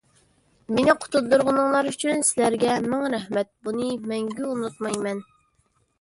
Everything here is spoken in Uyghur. مېنى قۇتۇلدۇرغىنىڭلار ئۈچۈن سىلەرگە مىڭ رەھمەت! بۇنى مەڭگۈ ئۇنتۇمايمەن.